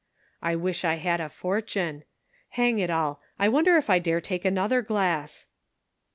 I wish I had a fortune. Hang it all ! I wonder if I dare take another glass?"